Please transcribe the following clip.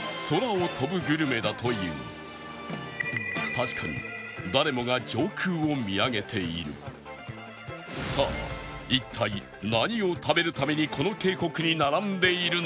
確かに誰もがさあ一体何を食べるためにこの渓谷に並んでいるのか？